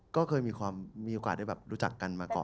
ก็เคยมีโอกาสได้แบบรู้จักกันมาก่อน